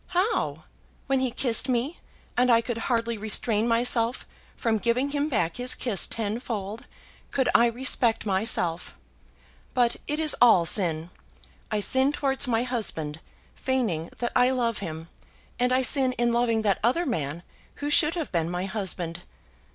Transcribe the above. "How; when he kissed me, and I could hardly restrain myself from giving him back his kiss tenfold, could I respect myself? But it is all sin. I sin towards my husband, feigning that I love him; and I sin in loving that other man, who should have been my husband.